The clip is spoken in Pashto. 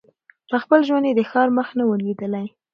په خپل ژوند یې د ښار مخ نه وو لیدلی